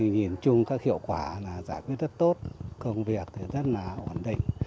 nhìn chung các hiệu quả là giải quyết rất tốt công việc rất là ổn định